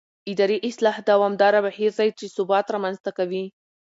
اداري اصلاح دوامداره بهیر دی چې ثبات رامنځته کوي